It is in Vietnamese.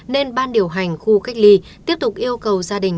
nên ban điều hành khu cách ly tiếp tục yêu cầu gia đình